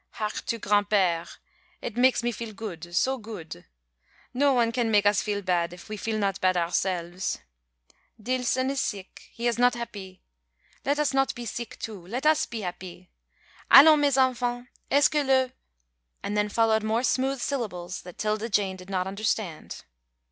"Hark to gran'père it makes me feel good, so good. No one can make us feel bad if we feel not bad ourselves. Deelson is seeck. He is not hap py. Let us not be seeck, too. Let us be hap py. Allons mes enfants, est ce que le " and then followed more smooth syllables that 'Tilda Jane did not understand.